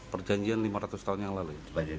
perjanjian lima ratus tahun yang lalu